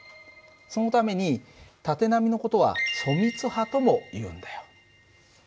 そのために縦波の事は疎密波ともいうんだよ。